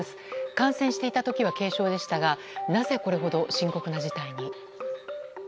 感染していた時は軽症でしたが、なぜこれほど深刻な事態に。